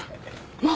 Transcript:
まあ！